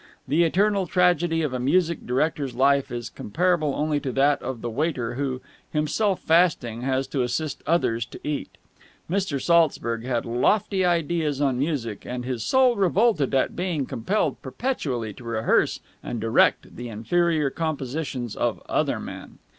The eternal tragedy of a musical director's life is comparable only to that of the waiter who, himself fasting, has to assist others to eat. Mr. Saltzburg had lofty ideas on music, and his soul revolted at being compelled perpetually to rehearse and direct the inferior compositions of other men.